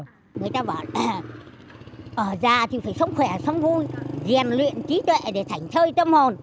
người ta bảo là ở già thì phải sống khỏe sống vui diện luyện trí tuệ để thành thơi tâm hồn